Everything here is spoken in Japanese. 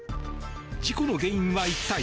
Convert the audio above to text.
事故の原因は一体？